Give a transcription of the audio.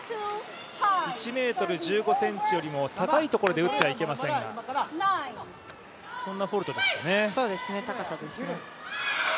１ｍ１５ｃｍよりも高いところで打ってはいけませんがそうですね、高さですね。